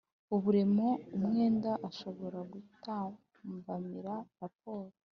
Uberewemo umwenda ashobora gutambamira raporo